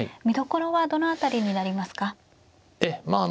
見どころはどの辺りになりますか。